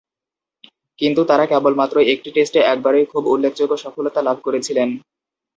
কিন্তু তারা কেবলমাত্র একটি টেস্টে একবারই খুবই উল্লেখযোগ্য সফলতা লাভ করেছিলেন।